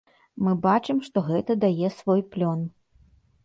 Мы бачым, што гэта дае свой плён.